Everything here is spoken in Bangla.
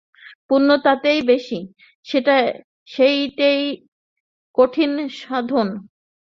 পুণ্য তাতেই বেশি, সেইটেই কঠিন সাধনা।